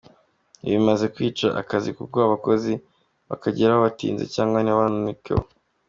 Ibi bimaze kwica akazi kuko abakozi bakageraho batinze, cyangwa ntibanakagereho.